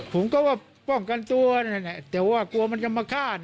ผมก็ว่าป้องกันตัวแต่ว่ากลัวมันจะมาฆ่า